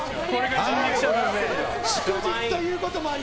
祝日ということもあり